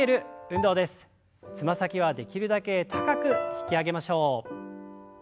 つま先はできるだけ高く引き上げましょう。